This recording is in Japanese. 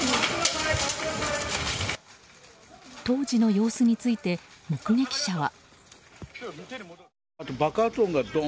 当時の様子について目撃者は。